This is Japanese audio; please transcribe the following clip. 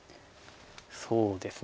そうですね。